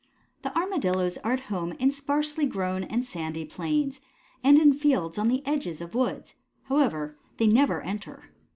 The Armadillos are at home in sparsely grown and sandy plains, and in fields on the edges of woods, which, however, they never enter.